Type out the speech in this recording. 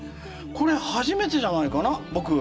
これ初めてじゃないかな僕。